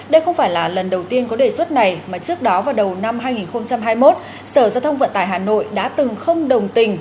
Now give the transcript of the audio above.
đây không phải là lần đầu tiên có đề xuất này mà trước đó vào đầu năm hai nghìn hai mươi một sở giao thông vận tải hà nội đã từng không đồng tình